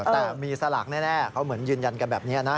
แต่มีสลากแน่เขาเหมือนยืนยันกันแบบนี้นะ